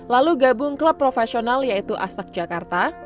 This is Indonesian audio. lalu gabung klub profesional yaitu aspak jakarta